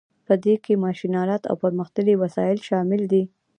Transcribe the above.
په دې کې ماشین الات او پرمختللي وسایل شامل دي.